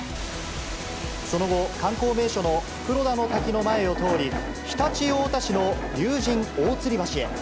その後、観光名所の袋田の滝の前を通り、常陸太田市の竜神大吊橋へ。